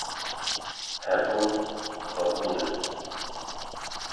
Hebûn, xwebûn e.